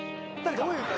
どういう歌？